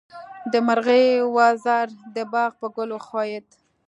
د مرغۍ وزر د باغ په ګل وښویېد.